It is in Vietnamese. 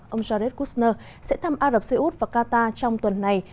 ông jared kushner sẽ thăm ả rập xê út và qatar trong tuần này